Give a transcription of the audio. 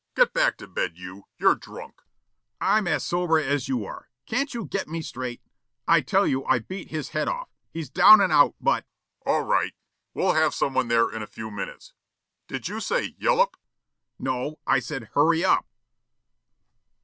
Get back to bed, you. You're drunk." Smilk: "I'm as sober as you are. Can't you get me straight? I tell you I beat his head off. He's down and out, but " Telephone: "All right. We'll have someone there in a few minutes. Did you say Yullup?" Smilk: "No. I said hurry up."